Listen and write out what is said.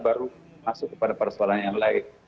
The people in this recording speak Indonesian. baru masuk kepada persoalan yang lain